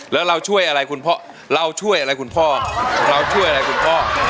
แล้วเราช่วยอะไรคุณพ่อเราช่วยอะไรคุณพ่อเราช่วยอะไรคุณพ่อ